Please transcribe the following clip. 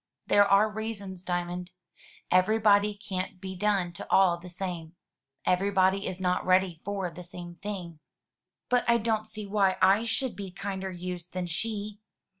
"There are reasons. Diamond. Everybody can't be done to all the same. Everybody is not ready for the same thing." "But I don't see why I should be kinder used than she."